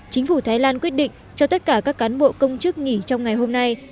chính phủ thái lan quyết định cho tất cả các cán bộ công chức nghỉ trong ngày hôm nay